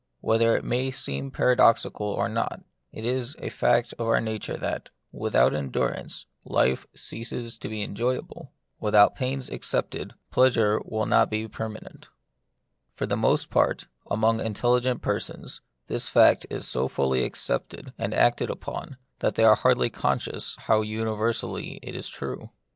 Whether it may seem paradoxical or not, it is a fact in our nature that, without endurance, life ceases to be enjoyable ; with out pains accepted, pleasure will not be per manent. For the most part, among intelli gent persons, this fact is so fully accepted and The Mystery of Pain. 47 acted upon, that they are hardly conscious how universally it is true.